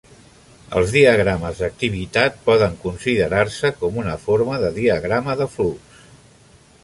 Els diagrames d"activitat poden considerar-se com una forma de diagrama de flux.